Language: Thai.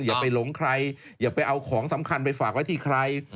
อย่าไปหลงใครอย่าไปเอาของสำคัญไปฝากไว้ที่ใคร